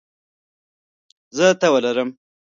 زه تبه لرم